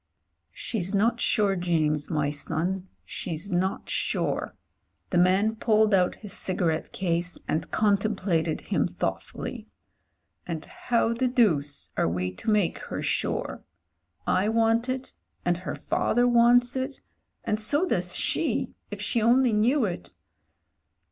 ... "She's not sure, James, my son — she's not sure." The man pulled out his cigarette case and contem plated him thoughtfully. "And how the deuce are JAMES HENRY 223 we to make her sure ? I want it, and her father wants it, and so does she if she only knew it.